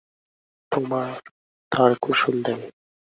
তোমার, তার কুশল দেবে।